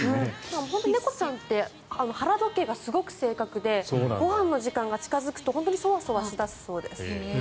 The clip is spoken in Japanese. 本当に猫ちゃんって腹時計がすごく正確でご飯の時間が近付くと本当にそわそわし出すそうです。